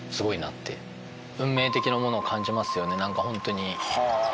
運命的なものを感じますよねなんかホントに。